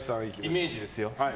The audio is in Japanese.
イメージですよ。